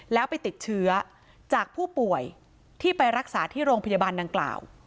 แล้วไปติดเชื้อจากผู้ป่วยที่ไปรักษาที่โรงพยาบาลดังกล่าว